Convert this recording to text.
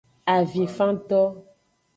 Avinfanto.